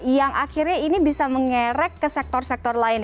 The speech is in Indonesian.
yang akhirnya ini bisa mengerek ke sektor sektor lain